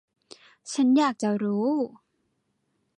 ฉันอยากจะรู้.